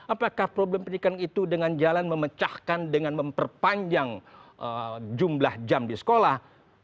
apakah problem pendidikan itu dengan jalan memecahkan dengan memperpanjang jumlah jam di sekolah